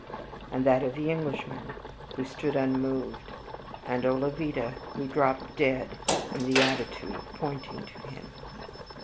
and that of the Englishman, who stood unmoved, and Olavida, who dropped dead in the attitude of pointing to him.